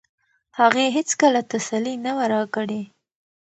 هغې هیڅکله تسلي نه وه راکړې.